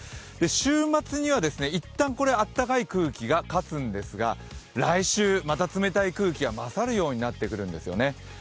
週末には、いったんこれ暖かい空気が勝つんですが、来週、また冷たい空気が混ざるようになってくるんですね。